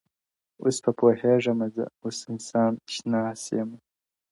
اوس په پوهېږمه زه- اوس انسان شناس يمه-